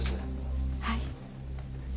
はい。